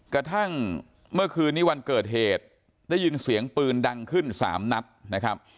กระทั่งเมื่อคืนนี้วันเกิดเหตุได้ยินเสียงปืนดังขึ้น๓นัดนะครับ